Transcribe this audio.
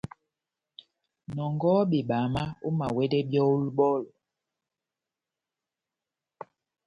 Nɔngɔhɔ bebama, omawɛdɛ byɔ́ ó bɔlɔ.